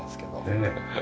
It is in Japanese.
ねえ。